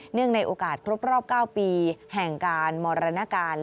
เนื่องในโอกาสครบ๙ปีแห่งการมรณการ